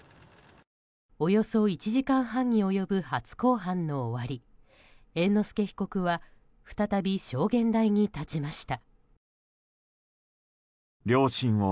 およそ１時間半に及ぶ初公判の終わり猿之助被告は再び証言台に立ちました。